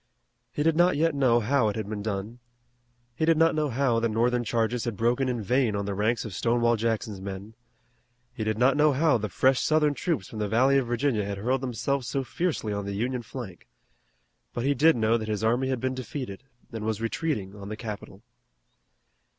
He did not yet know how it had been done. He did not know how the Northern charges had broken in vain on the ranks of Stonewall Jackson's men. He did not know how the fresh Southern troops from the Valley of Virginia had hurled themselves so fiercely on the Union flank. But he did know that his army had been defeated and was retreating on the capital.